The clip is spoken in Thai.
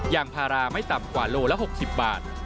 อย่างภาระไม่ต่ำกว่าลูกละ๖๐บาท